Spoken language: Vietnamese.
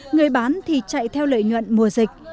người bán thì chạy theo lợi nhuận mùa dịch